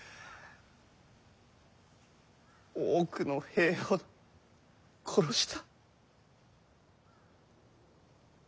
多くの兵を殺した。